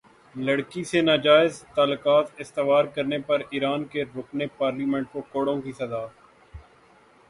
لڑکی سے ناجائز تعلقات استوار کرنے پر ایران کے رکن پارلیمنٹ کو کوڑوں کی سزا